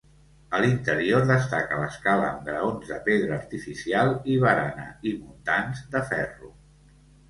A l'interior destaca l'escala amb graons de pedra artificial i barana i muntants de ferro.